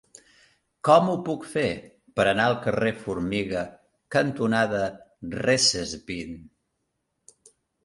Com ho puc fer per anar al carrer Formiga cantonada Recesvint?